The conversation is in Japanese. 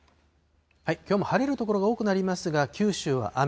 きょうも晴れる所が多くなりますが、九州は雨。